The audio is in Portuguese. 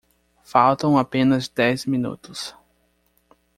Faltam apenas dez minutos